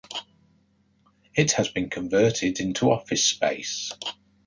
It has been converted into office space.